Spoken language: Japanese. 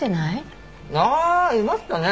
あいましたね。